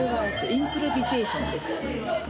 インプロビゼーション？